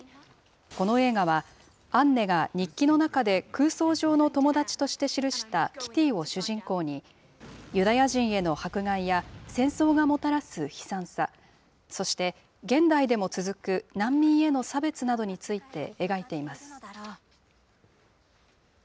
この映画はアンネが日記の中で空想上の友達として記したキティーを主人公に、ユダヤ人への迫害や戦争がもたらす悲惨さ、そして現代でも続く難民への差別などについて描いています。